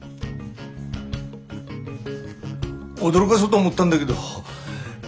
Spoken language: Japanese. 驚がそうと思ったんだげど。